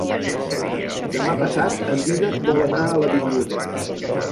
Demà passat en Dídac vol anar a la biblioteca.